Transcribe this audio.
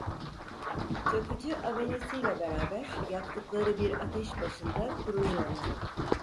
Çakıcı avenesiyle beraber, yaktıkları bir ateş başında kurunuyorlardı.